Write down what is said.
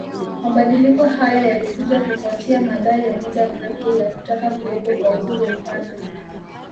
Mabadiliko haya yalikuja kufuatia madai ya muda mrefu ya kutaka kuwepo kwa uhuru mpana